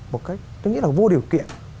một cách tôi nghĩ là vô điều kiện